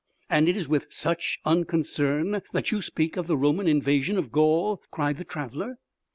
"And it is with such unconcern that you speak of the Roman invasion of Gaul?" cried the traveler.